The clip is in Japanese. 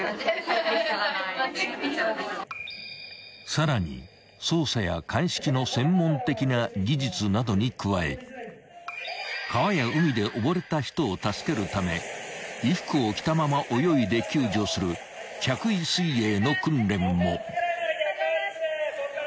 ［さらに捜査や鑑識の専門的な技術などに加え川や海で溺れた人を助けるため衣服を着たまま泳いで救助する着衣水泳の訓練も］